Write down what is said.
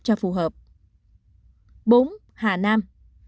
bốn hà nam